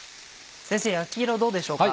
先生焼き色どうでしょうか？